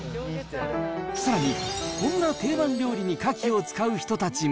さらに、こんな定番料理にカキを使う人たちも。